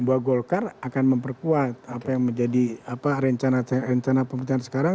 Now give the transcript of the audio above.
bahwa golkar akan memperkuat apa yang menjadi rencana pemerintahan sekarang